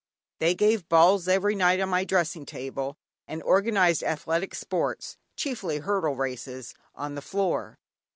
They gave balls every night on my dressing table, and organised athletic sports, chiefly hurdle races, on the floor.